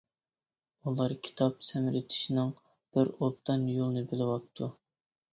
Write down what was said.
ئۇلار كىتاب سەمرىتىشنىڭ بىر ئوبدان يولىنى بىلىۋاپتۇ.